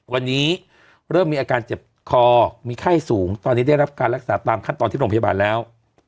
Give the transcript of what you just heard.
วันนี้เริ่มมีอาการเจ็บคอมีไข้สูงตอนนี้ได้รับการรักษาตามขั้นตอนที่โรงพยาบาลแล้ว